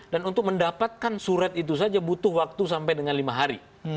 dan untuk mendapatkan surat itu saja butuh waktu sampai dengan lima hari